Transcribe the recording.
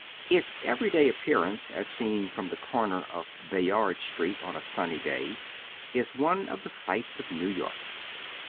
Its everyday appearance, as seen from the coi'iier of Bayard Street on a sunny day, is one of the sights of New York.